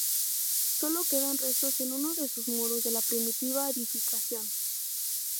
Sólo quedan restos en uno de sus muros de la primitiva edificación.